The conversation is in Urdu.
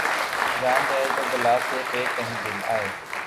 جان جائے تو بلا سے‘ پہ کہیں دل آئے